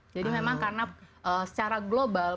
jadi memang karena secara global